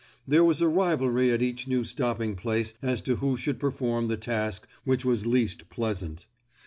There was a rivalry at each new stopping place as to who should perform the task which was least pleasant.